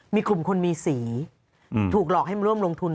มีกลุ่มคนมีสีถูกหลอกให้มาร่วมลงทุน